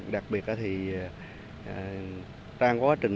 đặc biệt là trang quá trình